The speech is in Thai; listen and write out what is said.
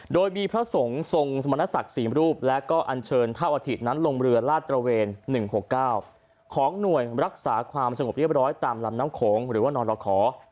โดยมีพระสงฆ์ทรงสมณศักดิ์๔รูปและก็อันเชิญเท่าอาทิตนั้นลงเรือลาดตระเวน๑๖๙ของหน่วยรักษาความสงบเรียบร้อยตามลำน้ำโขงหรือว่านรขอ